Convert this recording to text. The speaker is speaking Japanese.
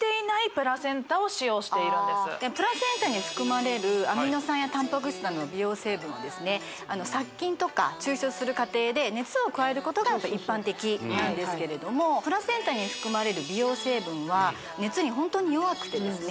プラセンタに含まれるアミノ酸やたんぱく質などの美容成分はですね殺菌とか抽出する過程で熱を加えることが一般的なんですけれどもプラセンタに含まれる美容成分は熱にホントに弱くてですね